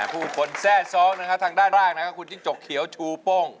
ผู้คนแช่ซ้องนะคะทางด้านล่างนะคะคุณจิ๊กจกเขียวชูโป้ง